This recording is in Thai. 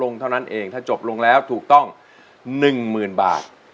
เท่านั้นเองถ้าจบลงแล้วถูกต้อง๑๐๐๐บาท